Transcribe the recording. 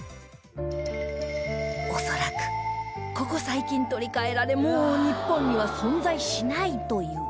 恐らくここ最近取り換えられもう日本には存在しないという